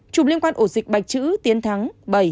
chụp liên quan ổ dịch bạch chữ tiến thắng bảy